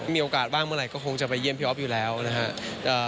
มีโอกาสบ้างเมื่อไหร่ก็คงจะไปเยี่ยมพี่อ๊อฟอยู่แล้วนะครับ